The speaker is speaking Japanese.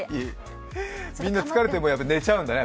みんな疲れて寝ちゃうんだね。